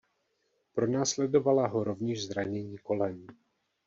Pronásledovala ho rovněž zranění kolen.